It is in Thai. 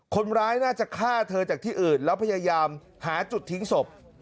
คนร้ายน่าจะฆ่าเธอจากที่อื่นแล้วพยายามหาจุดทิ้งศพ